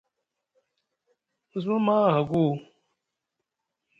Mu suma ma a haku?